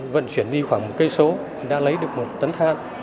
vận chuyển đi khoảng một km đã lấy được một tấn thang